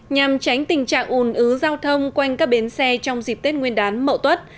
nhằm tránh tình trạng ùn ứ giao thông quanh các bến xe trong dịp tết nguyên đán mậu tuất